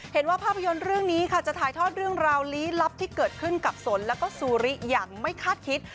เห็นว่าภาพยนตร์เรื่องนี้ค่ะจะถ่ายทอดเรื่องราวลี้ลับที่เกิดขึ้นกับสนแล้วก็ซูริอย่างไม่คาดคิด